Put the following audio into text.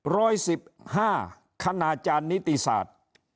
๑๑ร้อย๑๕คณาจารย์นิติศาสตร์